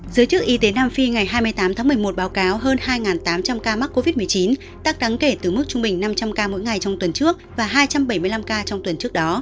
giới chức y tế nam phi ngày hai mươi tám tháng một mươi một báo cáo hơn hai tám trăm linh ca mắc covid một mươi chín tăng đáng kể từ mức trung bình năm trăm linh ca mỗi ngày trong tuần trước và hai trăm bảy mươi năm ca trong tuần trước đó